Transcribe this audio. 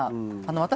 私